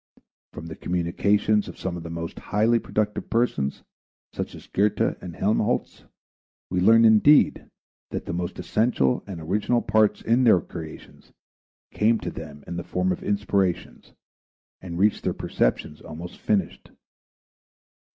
From the communications of some of the most highly productive persons, such as Goethe and Helmholtz, we learn, indeed, that the most essential and original parts in their creations came to them in the form of inspirations and reached their perceptions almost finished.